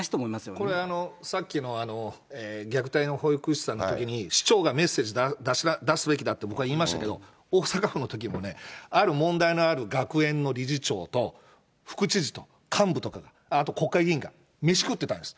これ、さっきの虐待の保育士さんのときに、市長がメッセージを出すべきだって、僕は言いましたけど、大阪府のときも、ある問題のある学園の理事長と副知事と幹部とか、あと国会議員か、飯食ってたんです。